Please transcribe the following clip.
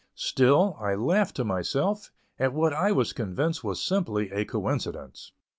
Still, I laughed to myself, at what I was convinced was simply a coincidence.